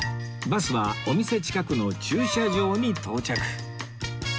バスはお店近くの駐車場に到着